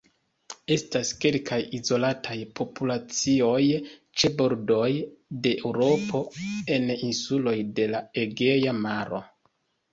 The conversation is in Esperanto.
Estas kelkaj izolataj populacioj ĉe bordoj de Eŭropo en insuloj de la Egea Maro.